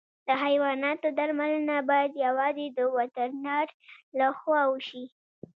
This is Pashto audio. د حیواناتو درملنه باید یوازې د وترنر له خوا وشي.